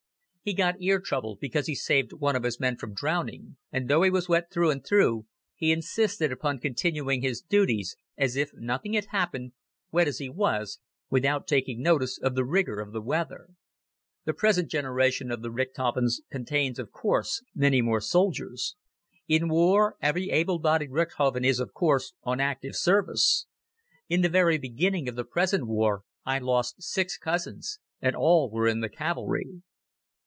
He got ear trouble because he saved one of his men from drowning and though he was wet through and through he insisted upon continuing his duties as if nothing had happened, wet as he was, without taking notice of the rigor of the weather. The present generation of the Richthofens contains, of course, many more soldiers. In war every able bodied Richthofen is, of course, on active service. In the very beginning of the present war I lost six cousins, and all were in the cavalry.